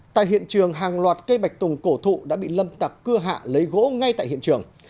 tại hiện trường hàng loạt cây bạch tùng cổ thụ đã bị lâm tạc cưa hạ lấy gỗ ngay tại hiện trường